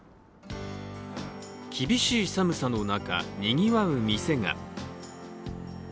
厳しい寒さの中、にぎわう店が。